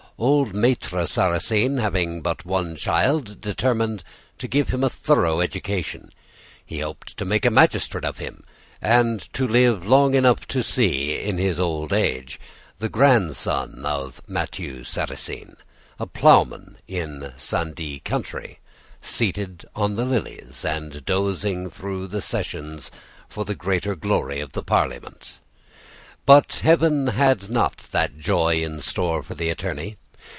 Old Maitre Sarrasine, having but one child, determined to give him a thorough education; he hoped to make a magistrate of him, and to live long enough to see, in his old age, the grandson of Mathieu Sarrasine, a ploughman in the Saint Die country, seated on the lilies, and dozing through the sessions for the greater glory of the Parliament; but Heaven had not that joy in store for the attorney.